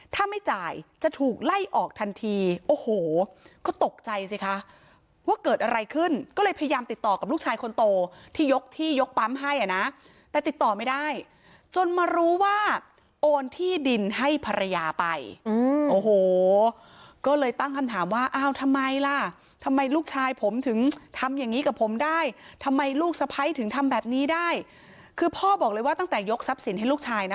ถ้าไม่จ่ายจะถูกไล่ออกทันทีโอ้โหก็ตกใจสิคะว่าเกิดอะไรขึ้นก็เลยพยายามติดต่อกับลูกชายคนโตที่ยกที่ยกปั๊มให้อ่ะนะแต่ติดต่อไม่ได้จนมารู้ว่าโอนที่ดินให้ภรรยาไปโอ้โหก็เลยตั้งคำถามว่าอ้าวทำไมล่ะทำไมลูกชายผมถึงทำอย่างงี้กับผมได้ทำไมลูกสะพ้ายถึงทำแบบนี้ได้คือพ่อบอกเลยว่าตั้งแต่ยกทรัพย์สินให้ลูกชายนะ